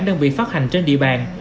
đơn vị phát hành trên địa bàn